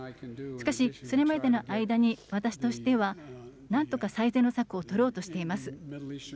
しかし、それまでの間に私としては、なんとか最善の策を取ろうとしています。